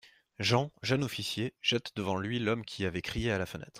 Jean, jeune officier, jette devant lui l’homme qui avait crié à la fenêtre.